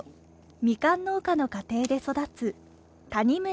みかん農家の家庭で育つ谷村怜